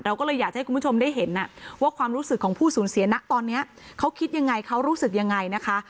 ก็เลยอยากจะให้คุณผู้ชมได้เห็นว่าความรู้สึกของผู้สูญเสียนะตอนนี้เขาคิดยังไงเขารู้สึกยังไงนะคะ